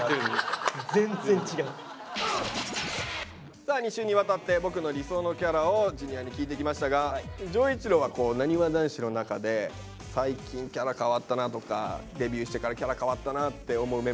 さあ２週にわたって「僕の理想のキャラ」をＪｒ．に聞いてきましたが丈一郎はなにわ男子の中で最近キャラ変わったなとかデビューしてからキャラ変わったなって思うメンバーいます？